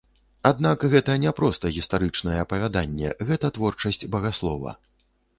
Аднак гэта не проста гістарычнае апавяданне, гэта творчасць багаслова.